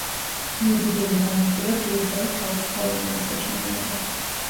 იურიდიული განათლება ბრიუსელის თავისუფალ უნივერსიტეტში მიიღო.